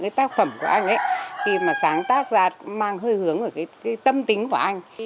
cái tác phẩm của anh ấy khi mà sáng tác ra mang hơi hướng ở cái tâm tính của anh